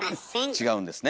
違うんですね。